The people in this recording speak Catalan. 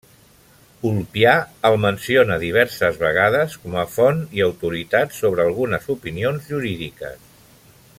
Ulpià el menciona diverses vegades com a font i autoritat sobre algunes opinions jurídiques.